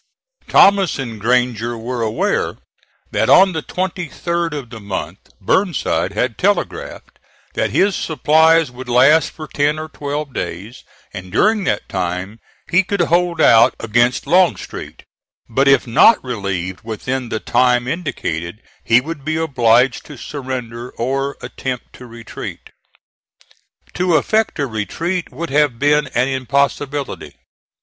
Thomas and Granger were aware that on the 23d of the month Burnside had telegraphed that his supplies would last for ten or twelve days and during that time he could hold out against Longstreet, but if not relieved within the time indicated he would be obliged to surrender or attempt to retreat. To effect a retreat would have been an impossibility.